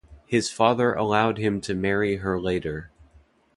His father allowed him to marry her later.